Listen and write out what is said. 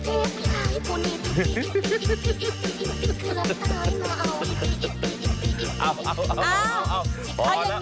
เอาเอาเอาเอา